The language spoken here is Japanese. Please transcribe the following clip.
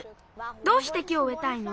どうして木をうえたいの？